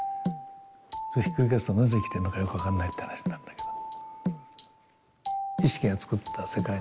それひっくり返すとなぜ生きてんのかよく分かんないって話になるんだけど。